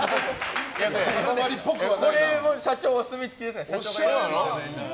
これも社長お墨付きですから。